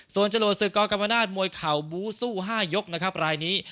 ส่วนจรวดศึกกรกรรมนาศมวยเข่าบูสู้๕ยกนะครับรายนี้